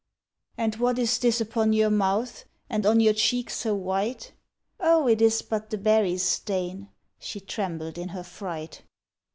' And what is this upon your mouth And on your cheek so white ?'' Oh, it is but the berries' stain '; She trembled in her fright.